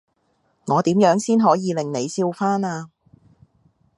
我點樣先可以令你笑返呀？